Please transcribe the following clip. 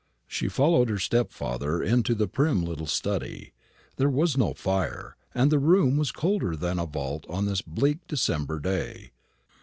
She followed her stepfather into the prim little study. There was no fire, and the room was colder than a vault on this bleak December day.